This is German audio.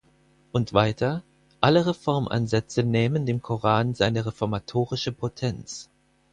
Und weiter: Alle Reformansätze nähmen dem Koran seine reformatorische Potenz.